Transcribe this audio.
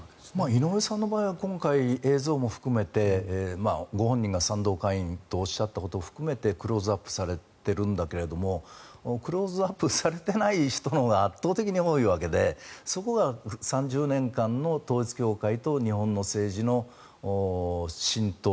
井上さんの場合は今回映像も含めてご本人が賛同会員とおっしゃったことを含めてクローズアップされているんだけれどもクローズアップされていない人のほうが圧倒的に多いわけでそこが３０年間の統一教会と日本の政治の浸透